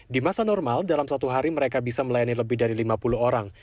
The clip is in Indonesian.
di masa normal dalam satu hari mereka bisa melayani lebih dari lima puluh orang